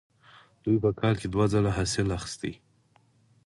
دوی په کال کې دوه ځله حاصل اخیست.